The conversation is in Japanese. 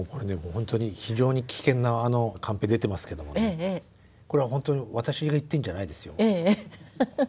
ほんとに非常に危険なカンペ出てますけどこれはほんとに私が言ってんじゃないですよ。